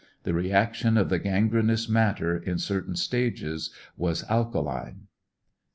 The reaction of the gangrenous matter in certain stages was alkaline.